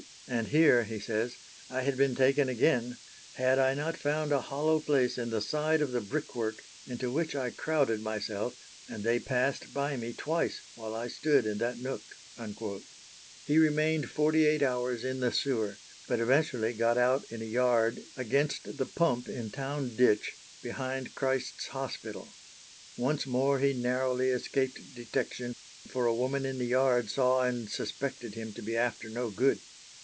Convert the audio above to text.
"And here," he says, "I had been taken again had I not found a hollow place in the side of the brickwork into which I crowded myself, and they passed by me twice while I stood in that nook." He remained forty eight hours in the sewer, but eventually got out in a yard "against the pump in Town Ditch, behind Christ's Hospital." Once more he narrowly escaped detection, for a woman in the yard saw and suspected him to be after no good.